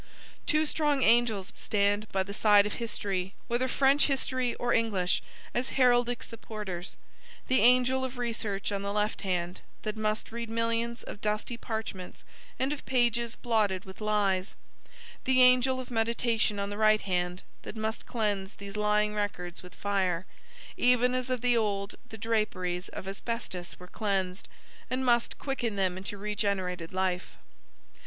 Two strong angels stand by the side of History, whether French History or English, as heraldic supporters: the angel of Research on the left hand, that must read millions of dusty parchments, and of pages blotted with lies; the angel of Meditation on the right hand, that must cleanse these lying records with fire, even as of old the draperies of asbestos were cleansed, and must quicken them into regenerated life.